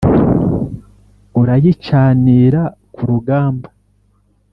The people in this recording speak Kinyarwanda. Urayicanira ku rugamba